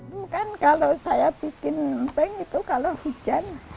bukan kalau saya bikin empeng itu kalau hujan